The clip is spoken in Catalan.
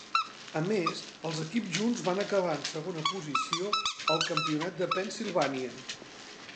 A més, els equips junts van acabar en segona posició al Campionat de Pennsylvania.